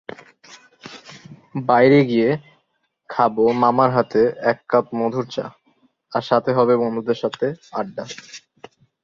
তার পিতা জার্মানিতে জন্মগ্রহণ করেন।